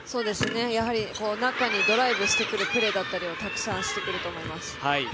やはり中にドライブしてくるプレーだったりをたくさんしてくると思います。